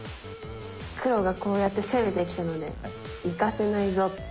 黒がこうやって攻めてきたので行かせないぞって。